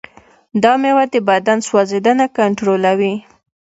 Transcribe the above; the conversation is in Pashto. دا مېوه د بدن سوځیدنه کنټرولوي.